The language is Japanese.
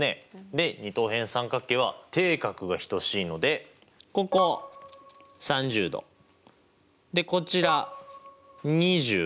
で二等辺三角形は底角が等しいのでここ３０°でこちら２５°になりますね。